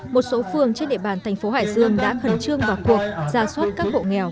một số phường trên địa bàn thành phố hải dương đã khẩn trương vào cuộc ra soát các hộ nghèo